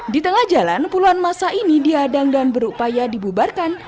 di tengah jalan puluhan masa ini diadang dan berupaya dibubarkan